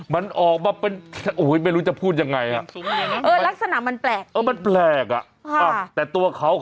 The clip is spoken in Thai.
มันออกมาเป็นไม่รู้จะพูดยังไง